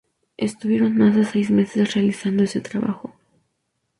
Estuvieron más de seis meses realizando ese trabajo.